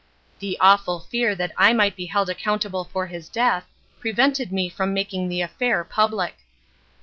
The awful fear that I might be held accountable for his death, prevented me from making the affair public.